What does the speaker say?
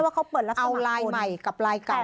คือเปิดลับขมับคน